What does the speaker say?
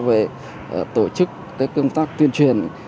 về tổ chức các công tác tuyên truyền